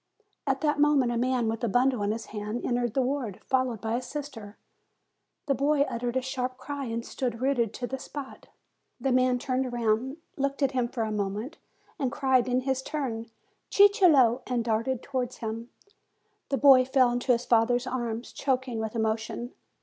At that moment a man with a bundle in his hand entered the ward, followed by a sister. The boy uttered a sharp cry, and stood rooted to the spot. The man turned round, looked at him for a moment, and cried in his turn, "Cicillo!" and darted towards him. The boy fell into his father's arms, choking with emotion.